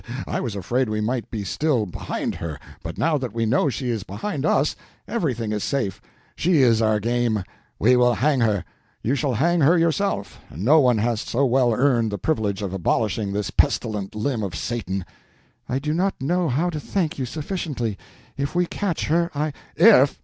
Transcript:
I was afraid we might be still behind her, but now that we know she is behind us, everything is safe. She is our game. We will hang her. You shall hang her yourself. No one has so well earned the privilege of abolishing this pestilent limb of Satan." "I do not know how to thank you sufficiently. If we catch her, I—" "If!